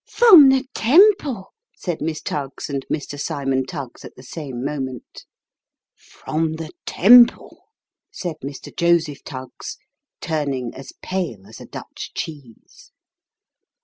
" From the Temple !" said Miss Tuggs and Mr. Simon Tuggs at the same moment. " From the Temple !" said Mr. Joseph Tuggs, turning as pale as a Dutch cheese.